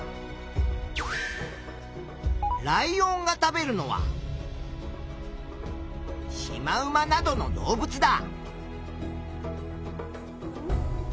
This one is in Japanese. ライオンが食べるのはシマウマなどの動物だ。